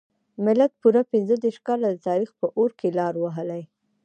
ملت پوره پنځه دیرش کاله د تاریخ په اور کې لار وهلې.